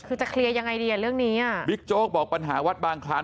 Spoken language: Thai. คือจะเคลียร์ยังไงดีอ่ะเรื่องนี้อ่ะบิ๊กโจ๊กบอกปัญหาวัดบางคลาน